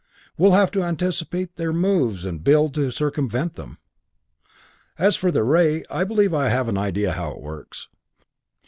We'll have to anticipate their moves and build to circumvent them. "As for their ray, I believe I have an idea how it works.